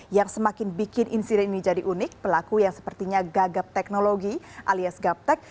yang semakin bikin insiden ini jadi unik pelaku yang sepertinya gagap teknologi alias gaptek